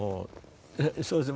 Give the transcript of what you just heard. そうですね